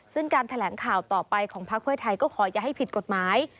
ซึ่งการแถลงข่าวต่อไปของพักเพื่อไทยก็ขออย่าให้ผิดกฎหมาย